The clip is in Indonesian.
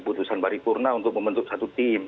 keputusan bari kurna untuk membentuk satu tim